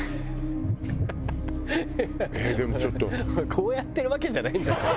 こうやってるわけじゃないんだから。